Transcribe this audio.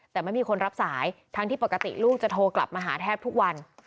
แต่ไม่มีคนรับสายทั้งที่ปกติลูกจะโทรกลับมาหาแทบทุกวัน